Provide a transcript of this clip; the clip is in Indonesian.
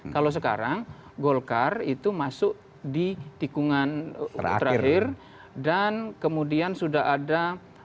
kalau sekarang golkar itu masuk di tikungan terakhir dan kemudian sudah ada